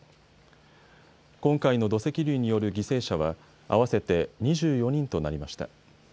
今回の土石流による犠牲者は合わせて２４人となりました。